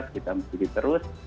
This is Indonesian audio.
kita mencuri terus